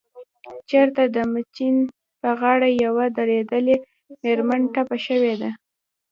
چرته دمیچن په غاړه يوه دردېدلې مېرمن ټپه شوې ده